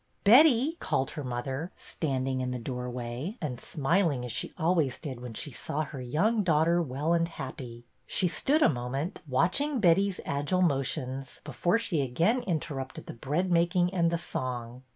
" Betty," called her mother, standing in the doorway, and smiling as she always did when she saw her young daughter well and happy. She stood a moment, watching Betty's agile motions before she again interrupted the bread making and the song.